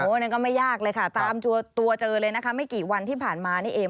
นั่นก็ไม่ยากเลยค่ะตามตัวเจอเลยนะคะไม่กี่วันที่ผ่านมานี่เอง